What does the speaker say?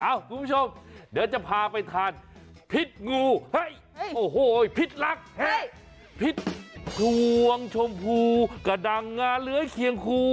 เอ้าคุณผู้ชมเดี๋ยวจะพาไปทานพิษงูพิษลักษณ์พิษทวงชมพูกระดังงาเหลือเคียงคู